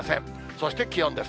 そして気温です。